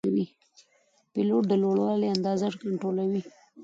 پیلوټ د لوړوالي اندازه کنټرولوي.